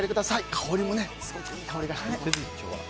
香りもすごくいい香りがして。